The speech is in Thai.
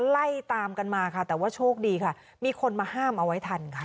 ไล่ตามกันมาค่ะแต่ว่าโชคดีค่ะมีคนมาห้ามเอาไว้ทันค่ะ